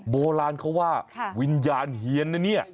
โบราณเขาว่าวิญญาณเฮียนนะเนี่ย